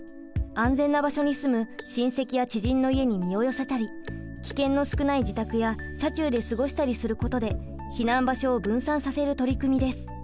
安全な場所に住む親戚や知人の家に身を寄せたり危険の少ない自宅や車中で過ごしたりすることで避難場所を分散させる取り組みです。